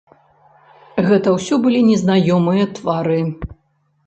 Гэта ўсё былі незнаёмыя твары.